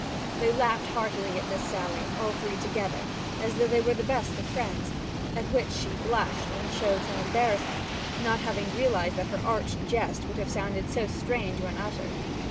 They laughed heartily at this sally, all three together, as though they were the best of friends; at which she blushed, and showed some embarrassment, not having realized that her arch jest would have sounded so strange when uttered.